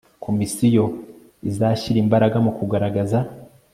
komisiyo izashyira imbaraga mu kugaragaza